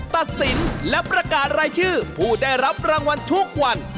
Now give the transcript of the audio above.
ตัดสินและประกาศรายชื่อผู้ได้รับรางวัลทุกวัน